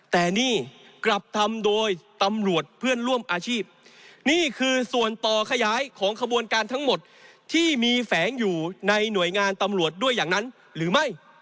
แต่นี่กลับทำโดยตำรวจเพื่อนร่วมอาชีพนี่คือส่วนต่อขยายของขบวนการทั้งหมดที่มีแฝงอยู่ในหน่วยงานตำรวจด้วยอย่างนั้นหรือไม่